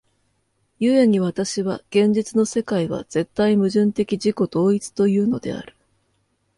故に私は現実の世界は絶対矛盾的自己同一というのである。